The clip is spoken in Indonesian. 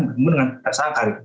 dengan rasa akal